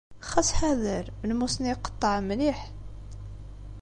Ɣas ḥader. Lmus-nni iqeṭṭeɛ mliḥ.